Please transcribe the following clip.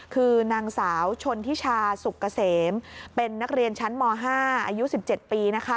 คือนางสาวชนทิชาสุกเกษมเป็นนักเรียนชั้นม๕อายุ๑๗ปีนะคะ